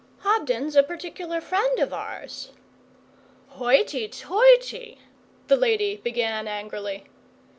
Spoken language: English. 'Hobden's a particular friend of ours.' 'Hoity toity!' the lady began angrily.